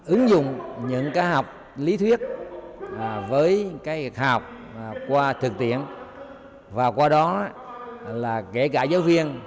ứng dụng những học lý thuyết với các học qua thực tiễn và qua đó là kể cả giáo viên